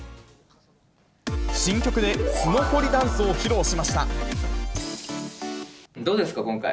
新曲でスノホリダンスを披露どうですか、今回？